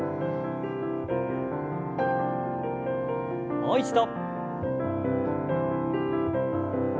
もう一度。